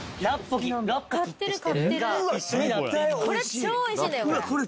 超おいしいんだよこれ。